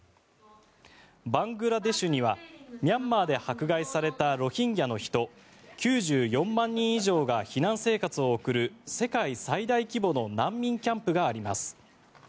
バングラデシュにはミャンマーで迫害されたロヒンギャの人９４万人以上が避難生活を送る世界性大規模の難民キャンプがあります。